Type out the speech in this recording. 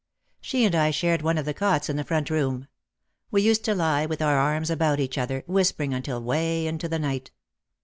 She and I shared one of the cots in the "front room." We used to lie with our arms about each other, whispering until way into the night.